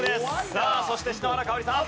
さあそして篠原かをりさん。